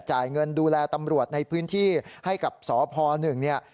จ่ายเงินดูแลตำรวจในพื้นที่ให้กับสพหนึ่งเนี่ย